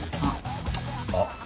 あっ。